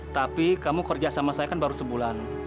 tapi kamu kerja sama saya kan baru sebulan